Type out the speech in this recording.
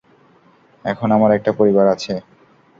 এখন আমার একটা পরিবার আছে।